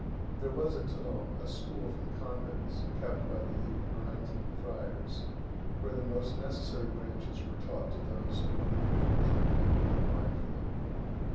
There was at Toulon a school for the convicts, kept by the Ignorantin friars, where the most necessary branches were taught to those of the unfortunate men who had a mind for them.